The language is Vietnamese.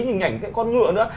hình ảnh con ngựa nữa